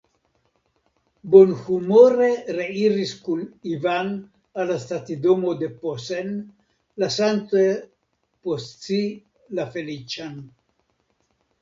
Bonhumore reiris kun Ivan al la stacidomo de Posen, lasante post si la feliĉan.